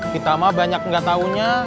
kita mah banyak yang gak taunya